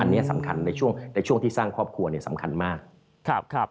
อันนี้สำคัญในช่วงที่สร้างครอบครัวเนี่ยสำคัญมาก